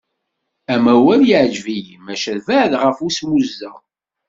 Amawal yeɛǧeb-iyi maca beɛɛed ɣef usmuzzeɣ.